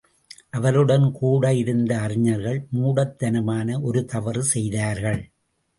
அவருடன் கூட இருந்த அறிஞர்கள், மூடத் தனமான ஒருதவறு செய்தார்கள்.